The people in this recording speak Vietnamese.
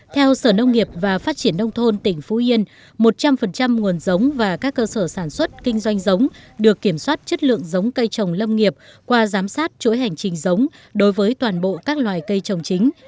theo sở nông nghiệp và phát triển nông thôn tỉnh phú yên một trăm linh nguồn giống và các cơ sở sản xuất kinh doanh giống được kiểm soát chất lượng giống cây trồng lâm nghiệp qua giám sát chuỗi hành trình giống đối với toàn bộ các loài cây trồng chính